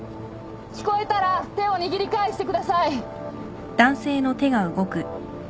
聞こえたら手を握り返してください。